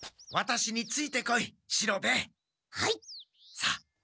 さあ。